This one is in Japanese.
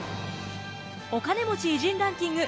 お金持ち偉人ランキング